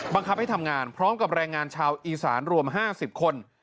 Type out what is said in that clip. บังคับให้ทำงานพร้อมกับแรงงานชาวอีสานรวม๕๐คน